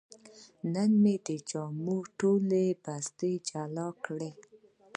نن مې د جامو ټولې بستې جلا کړې.